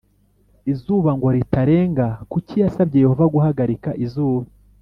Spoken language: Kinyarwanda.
izuba ngo ritarenga Kuki yasabye Yehova guhagarika izuba